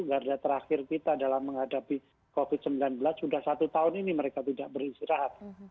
garda terakhir kita dalam menghadapi covid sembilan belas sudah satu tahun ini mereka tidak beristirahat